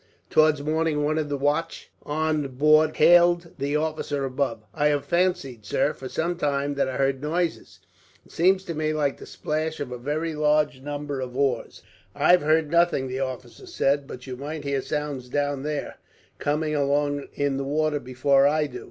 Towards morning, one of the watch on board hailed the officer above: "I have fancied, sir, for some time, that I heard noises. It seems to me like the splash of a very large number of oars." "I have heard nothing," the officer said; "but you might hear sounds down there, coming along on the water, before I do.